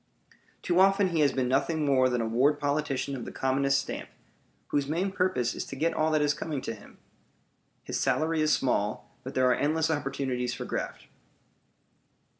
Too often he has been nothing more than a ward politician of the commonest stamp, whose main purpose is to get all that is coming to him. His salary is small, but there are endless opportunities for graft.